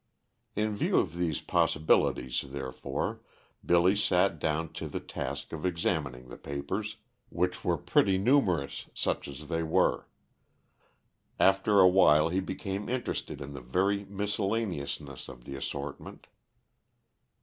In view of these possibilities, therefore, Billy sat down to the task of examining the papers, which were pretty numerous, such as they were. After awhile he became interested in the very miscellaneousness of the assortment.